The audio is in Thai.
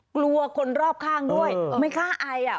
กลัวคนรอบข้างด้วยไม่กล้าไออ่ะ